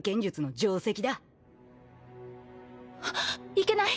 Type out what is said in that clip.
いけない！